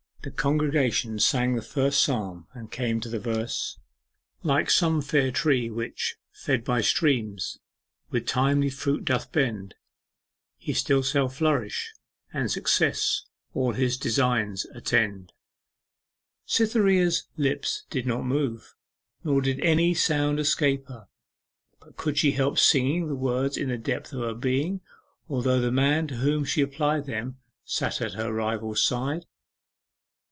The congregation sang the first Psalm and came to the verse 'Like some fair tree which, fed by streams, With timely fruit doth bend, He still shall flourish, and success All his designs attend.' Cytherea's lips did not move, nor did any sound escape her; but could she help singing the words in the depths of her being, although the man to whom she applied them sat at her rival's side?